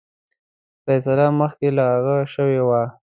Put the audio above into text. فیصله مخکي له هغه شوې وه.